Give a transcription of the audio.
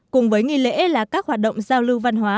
cùng với nghi lễ là các hoạt động giao lưu văn hóa